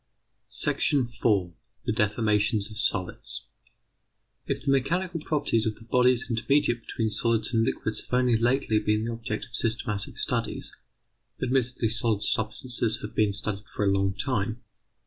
§ 4. THE DEFORMATIONS OF SOLIDS If the mechanical properties of the bodies intermediate between solids and liquids have only lately been the object of systematic studies, admittedly solid substances have been studied for a long time.